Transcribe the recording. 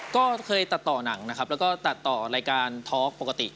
ก็เคยตัดต่อหนังนะครับแล้วก็ตัดต่อรายการทอล์กปกติ